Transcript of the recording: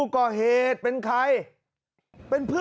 กฎไกล